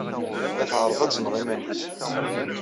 La tɛerreḍ ad tneɣ iman-nnes.